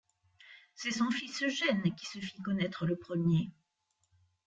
C'est son fils Eugène qui se fit connaître le premier.